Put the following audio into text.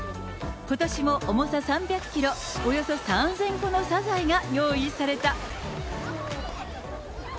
ことしも重さ３００キロ、およそ３０００個のサザエが用意された。